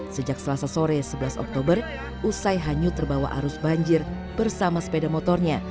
sejak selasa sore sebelas oktober usai hanyut terbawa arus banjir bersama sepeda motornya